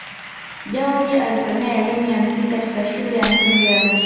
Dewji Alisomea elimu ya msingi katika shule ya msingi ya Arusha